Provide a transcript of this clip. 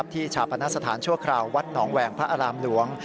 ชาปนสถานชั่วคราววัดหนองแหวงพระอารามหลวง